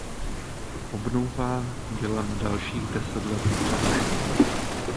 Obnova byla na dalších deset let přerušena.